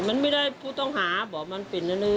มันไม่ได้ผู้ต้องหาบอกมันปริ้นอันนั้นเลย